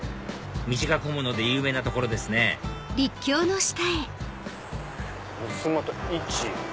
道が混むので有名な所ですね六つまた。